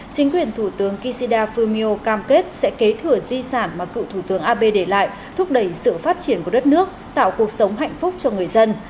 chính quyền thủ tướng kishida fumio cam kết sẽ kế thừa di sản mà cựu thủ tướng abe để lại thúc đẩy sự phát triển của đất nước tạo cuộc sống hạnh phúc cho người dân